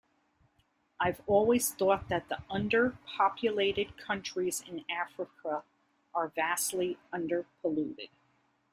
I've always thought that under-populated countries in Africa are vastly underpolluted.